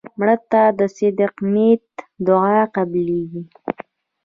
مړه ته د صدق نیت دعا قبلیږي